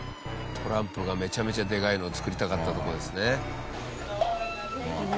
トランプがめちゃめちゃでかいのを造りたがったとこですね。